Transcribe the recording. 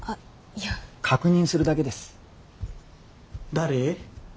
誰？